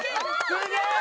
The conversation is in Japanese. すげえ！